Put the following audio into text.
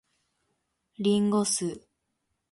林檎酢